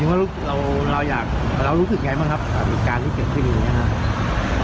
หมายถึงว่าเราเราอยากเรารู้สึกยังไงบ้างครับอ่ามีการรู้สึกที่นี่นะครับ